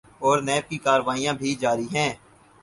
اورنیب کی کارروائیاں بھی جاری ہیں۔